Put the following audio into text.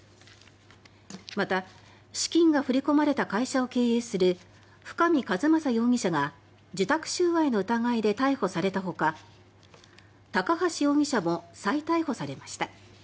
また、資金が振り込まれた会社を経営する深見和政容疑者が受託収賄の疑いで逮捕されたほか高橋容疑者も再逮捕されました。